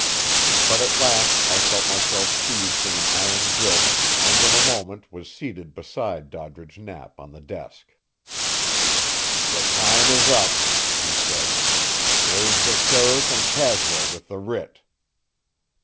But at last I felt myself seized in an iron grip, and in a moment was seated beside Doddridge Knapp on the desk. "The time is up," he said. "There's the sheriff and Caswell with the writ."